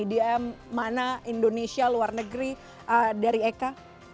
manggung di festival idm mana indonesia luar negeri dari eka